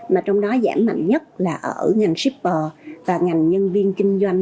mà trong đó giảm mạnh nhất là ở ngành shipper và ngành nhân viên kinh doanh